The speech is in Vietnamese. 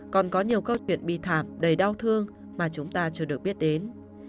còn có nhiều câu chuyện bi thảm đầy đau thương mà chúng ta chưa được biết đến